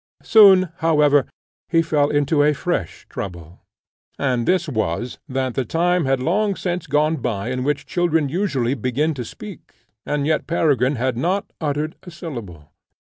Soon, however, he fell into a fresh trouble; and this was, that the time had long since gone by in which children usually begin to speak, and yet Peregrine had not uttered a syllable.